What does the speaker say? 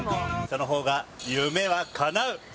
そのほうが夢はかなう。